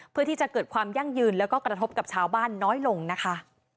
เพื่อที่จะเกิดความยั่งยืนแล้วก็กระทบกับชาวบ้านน้อยลงนะคะ